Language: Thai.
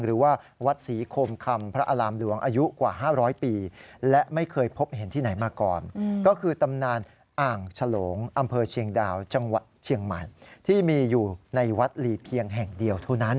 หรือว่าวัดศรีโคมคำพระอารามหลวงอายุกว่า๕๐๐ปี